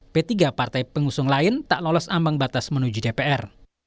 p tiga partai pengusung lain tak lolos ambang batas menuju dpr